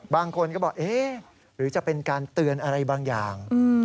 บางคนก็บอกเอ๊ะหรือจะเป็นการเตือนอะไรบางอย่าง